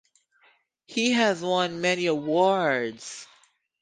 He has won many awards.